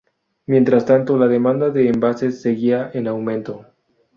Mientras tanto, la demanda de envases seguía en aumento.